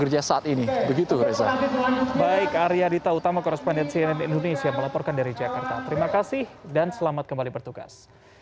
yang tadi didampingi oleh sekjen